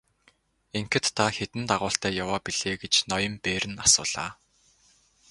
Ингэхэд та хэдэн дагуултай яваа билээ гэж ноён Берн асуулаа.